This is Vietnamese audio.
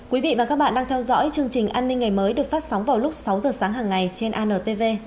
quý vị và các bạn đang theo dõi chương trình an ninh ngày mới được phát sóng vào lúc sáu giờ sáng hàng ngày trên antv